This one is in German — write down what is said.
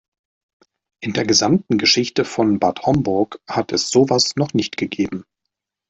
In der gesamten Geschichte von Bad Homburg hat es sowas noch nicht gegeben.